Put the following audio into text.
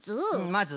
まず？